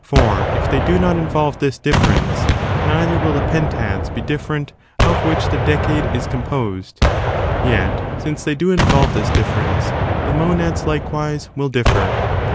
For, if they do not involve this difference, neither will the pentads b^ different of which the decade is composed ; yet, since they do involve this difference, the monads, likewise, will differ.